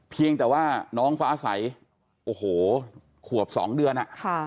เพียงแต่ว่าน้องฟ้าใสโอ้โหขวบ๒เดือน